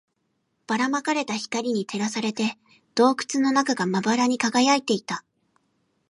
ばら撒かれた光に照らされて、洞窟の中がまばらに輝いていた